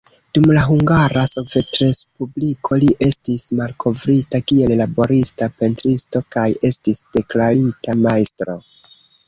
Dum la Hungara Sovetrespubliko li estis malkovrita, kiel laborista pentristo kaj estis deklarita majstro.